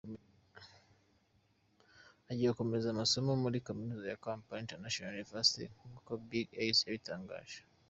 Agiye gukomereza amasomo muri kaminuza ya Kampala International University nk’uko Big Eye yabitangaje.